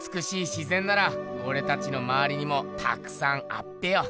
自ぜんならおれたちのまわりにもたくさんあっぺよ。